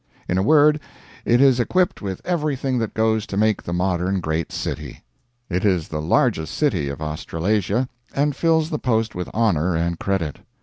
In a word, it is equipped with everything that goes to make the modern great city. It is the largest city of Australasia, and fills the post with honor and credit.